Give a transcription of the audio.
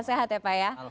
sehat ya pak ya